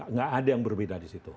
tidak ada yang berbeda di situ